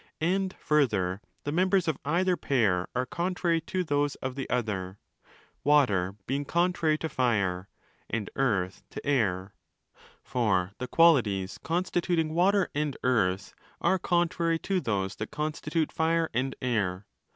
And, further, the members of either pair are contrary to those of the other, Water being contrary to Fire and Earth to Air; for the qualities constituting Water and Earth are contrary to those that constitute Fire and Air.